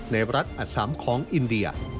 ในรัฐอสัมของอินเดีย